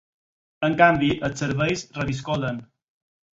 En canvi, els serveis reviscolen.